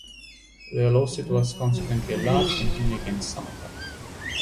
The lawsuit was consequently allowed to continue against Samatar.